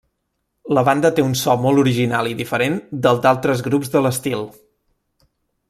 La banda té un so molt original i diferent del d'altres grups de l'estil.